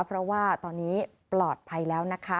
เพราะว่าตอนนี้ปลอดภัยแล้วนะคะ